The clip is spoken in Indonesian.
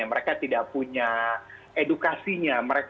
mereka tidak punya edukasinya